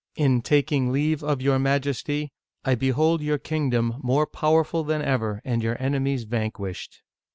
In taking leave of your Majesty, I behold your kingdom more powerful than ever, and your enemies vanquished.